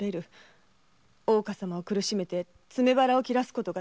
大岡様を苦しめて詰め腹を切らすことができると。